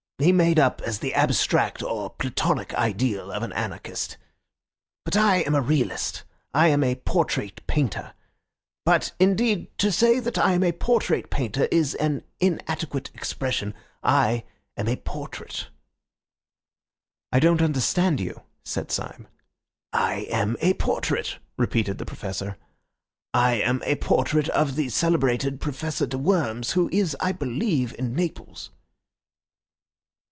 He made up as the abstract or platonic ideal of an anarchist. But I am a realist. I am a portrait painter. But, indeed, to say that I am a portrait painter is an inadequate expression. I am a portrait." "I don't understand you," said Syme. "I am a portrait," repeated the Professor. "I am a portrait of the celebrated Professor de Worms, who is, I believe, in Naples."